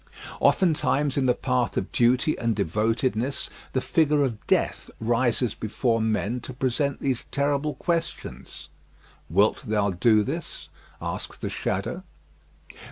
Oftentimes in the path of duty and devotedness, the figure of death rises before men to present these terrible questions: Wilt thou do this? asks the shadow.